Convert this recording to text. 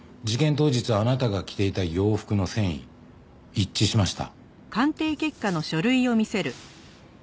当日あなたが着ていた洋服の繊維一致しました。